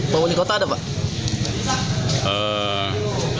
pak wali kota ada pak